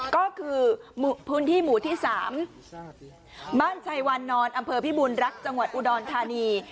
ก็คือพื้นที่หมู่ที่๓บ้านชัยวันนอนอำเภอพิบูรณรักจังหวัดอุดรธานี